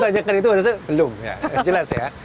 kalau ditanyakan itu maksudnya belum jelas ya